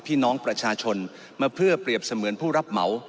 พี่น้องประชาชนมาเพื่อเปรียบเสมือนผู้รับเหมา